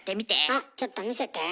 あっちょっと見せて。